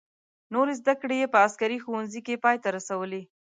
نورې زده کړې یې په عسکري ښوونځي کې پای ته ورسولې.